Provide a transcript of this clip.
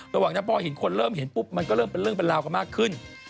ระหว่างนั้นพอเห็นคนเริ่มเห็นปุ๊บมันก็เริ่มเป็นเรื่องเป็นราวกันมากขึ้น